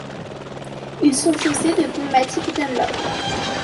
Ils sont chaussés de pneumatiques Dunlop.